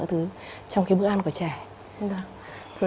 trong cái bữa ăn của trẻ